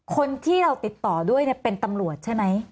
คนที่เราติดต่อด้วยเป็นตำรวจใช่ไหม